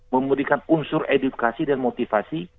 memberikan unsur edukasi dan motivasi